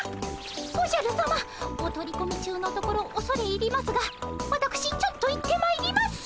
おじゃるさまお取り込み中のところおそれ入りますがわたくしちょっと行ってまいります。